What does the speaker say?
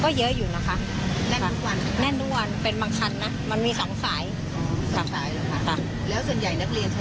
ก็เยอะอยู่นะคะแน่นทุกวันเป็นบางคันนะมันมีสามสาย